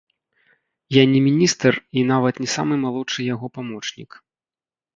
Я не міністр і нават не самы малодшы яго памочнік.